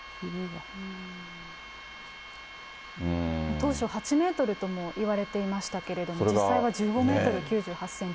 当初、８メートルともいわれていましたけれども、実際は１５メートル９８センチと。